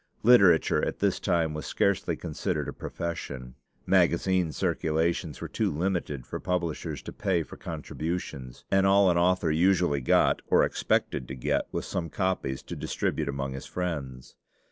Literature at this time was scarcely considered a profession. Magazine circulations were too limited for publishers to pay for contributions, and all an author usually got or expected to get was some copies to distribute among his friends.